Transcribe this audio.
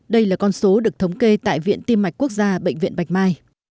đây là con số được thống kê tại viện tim mạch quốc gia bệnh viện bạch mai